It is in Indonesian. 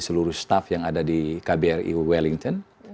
seluruh staff yang ada di kbri wellington